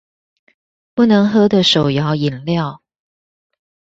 不能喝的手搖飲料